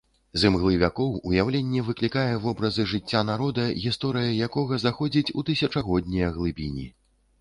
З імглы вякоў уяўленне выклікае вобразы жыцця народа, гісторыя якога заходзіць у тысячагоднія глыбіні.